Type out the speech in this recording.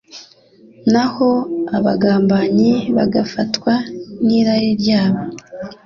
naho abagambanyi bagafatwa n’irari ryabo